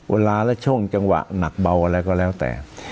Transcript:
เวลาและช่วงจังหวะหนักเบาอะไรก็แล้วแต่